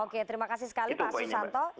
oke terima kasih sekali pak susanto